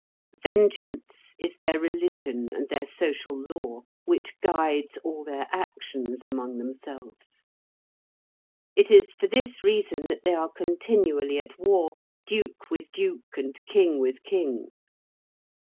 Vengeance is their religion and their social law, which guides all their actions among themselves. It is for this reason that they are continually at war, duke with duke, and king with king.